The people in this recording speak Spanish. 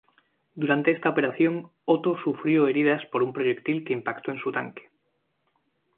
Durante esta operación Otto sufrió heridas por un proyectil que impactó en su tanque.